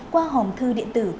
qua hòm thư điện tử